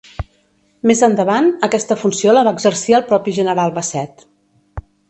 Més endavant, aquesta funció la va exercir el propi general Basset.